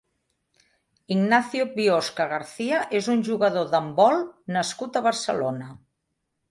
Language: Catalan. Ignacio Biosca García és un jugador d'handbol nascut a Barcelona.